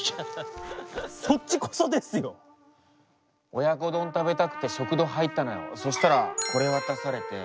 親子丼食べたくて食堂入ったのよそしたらこれ渡されて。